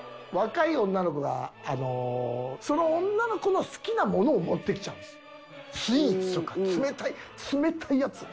若い女の子がその女の子の好きなものを持ってきちゃうんです。